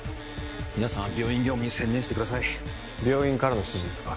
皆さんは病院業務に専念してください病院からの指示ですか？